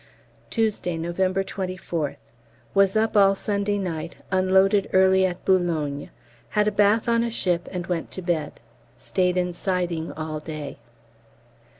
Tuesday, November 24th. Was up all Sunday night; unloaded early at Boulogne. Had a bath on a ship and went to bed. Stayed in siding all day.